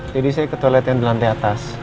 jadi saya ke toilet yang di lantai atas